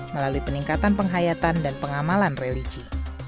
melalui peningkatan penghayatan dan pengamalan religi